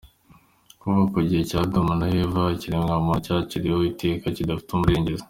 Kuva ku gihe cya Adamu na Eva, ikiremwamuntu cyaciriweho iteka kidafite umurengezi.